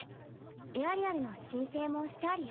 エアリアルの申請もしてあるよ。